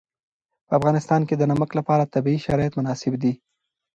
په افغانستان کې د نمک لپاره طبیعي شرایط مناسب دي.